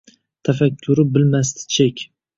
Tafakkuri bilmasdi chek